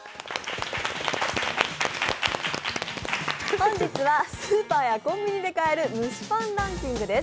本日はスーパーやコンビニで変える蒸しパンランキングです。